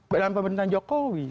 dalam pemerintahan jokowi